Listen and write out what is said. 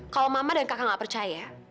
kalau mama dan kakak gak percaya